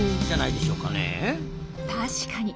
確かに。